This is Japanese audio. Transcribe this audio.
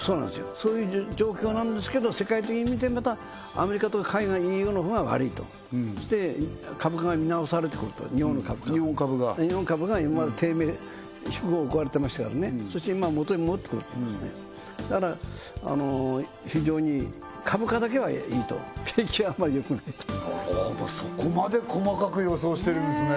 そういう状況なんですけど世界的に見てまたアメリカとか海外のＥＵのほうが悪いとそして株価が見直されてくると日本の株価日本株が今まで低迷低くでしたからねそして今元に戻ってくるところですねだから非常に株価だけはいいと景気はあまりよくないとなるほどそこまで細かく予想してるんですね